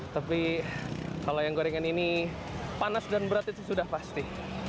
tapi kalau yang gorengan ini panas dan berat itu sudah pasti